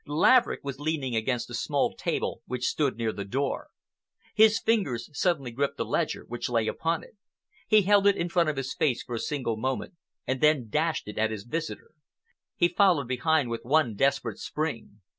Laverick was leaning against a small table which stood near the door. His fingers suddenly gripped the ledger which lay upon it. He held it in front of his face for a single moment, and then dashed it at his visitor. He followed behind with one desperate spring.